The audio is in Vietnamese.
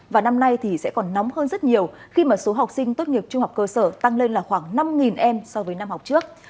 và năm nay thì sẽ còn nóng hơn rất nhiều khi mà số học sinh tốt nghiệp trung học cơ sở tăng lên là khoảng năm em so với năm học trước